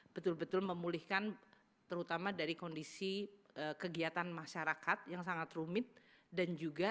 betul betul memulihkan terutama dari kondisi kegiatan masyarakat yang sangat rumit dan juga